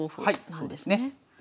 はいそうですね。